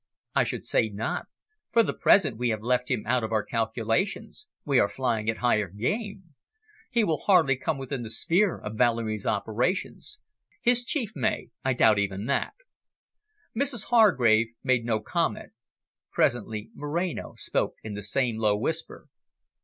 "I should say not. For the present, we have left him out of our calculations; we are flying at higher game. He will hardly come within the sphere of Valerie's operations. His Chief may I doubt even that." Mrs Hargrave made no comment. Presently Moreno spoke in the same low whisper.